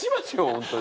本当に。